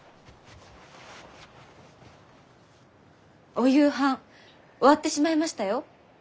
お夕飯終わってしまいましたよ。